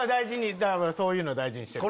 そういうの大事にしてる。